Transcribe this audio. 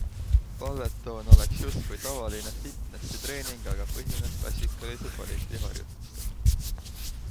Balletone oleks justkui tavaline fitnessitreening, aga põhineb klassikalise balleti harjutustel.